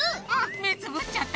目つぶっちゃった！